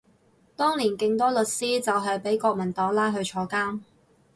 當年勁多律師就係畀國民黨拉去坐監